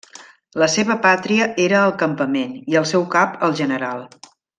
La seva pàtria era el campament i el seu cap el general.